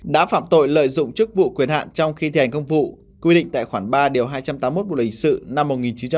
đã phạm tội lợi dụng chức vụ quyền hạn trong khi thi hành công vụ quy định tại khoảng ba điều hai trăm tám mươi một bộ lợi hình sự năm một nghìn chín trăm chín mươi chín